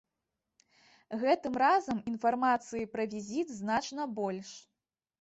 Гэтым разам інфармацыі пра візіт значна больш.